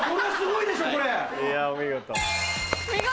いやお見事。